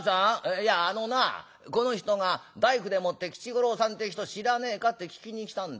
いやあのなこの人が大工でもって吉五郎さんって人知らねえかって聞きに来たんだ。